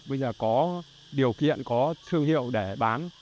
bây giờ có điều kiện có thương hiệu để bán